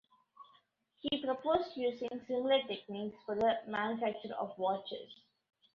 He proposed using similar techniques for the manufacture of watches.